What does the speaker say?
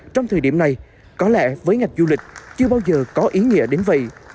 trong thời điểm này có lẽ với ngành du lịch chưa bao giờ có ý nghĩa đến vậy